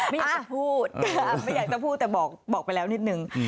ไม่อยากจะพูดไม่อยากจะพูดแต่บอกไปแล้วนิดนึง